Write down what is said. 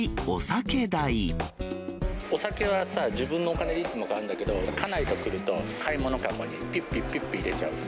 お酒はさ、自分のお金でいつも買うんだけれども、家内と来ると、買い物籠にぴっぴっぴっぴっ入れちゃう。